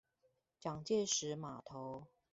蔣介石碼頭